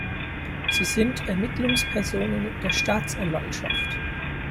Sie sind Ermittlungspersonen der Staatsanwaltschaft.